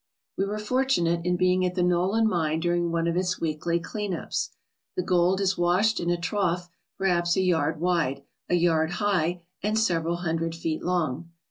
We were fortunate in being at the Nolan mine during one of its weekly clean ups. The gold is washed in a trough perhaps a yard wide, a yard high, and several hundred feet long.